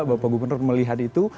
bapak gubernur melihat itu